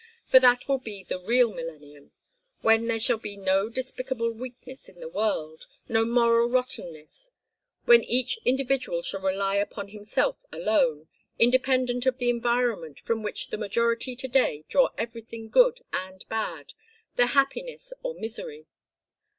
For that will be the real millennium when there shall be no despicable weakness in the world, no moral rottenness, when each individual shall rely upon himself alone, independent of the environment from which the majority to day draw everything good and bad, their happiness or misery.